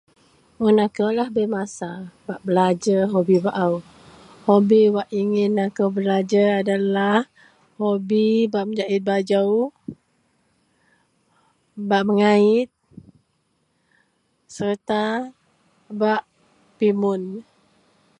Mun akoulah bei masa bak belajer hobi baou. Hobi wak ingin akou belajer adalah hobi bak menjait bajou, bak mengait sereta bak pimun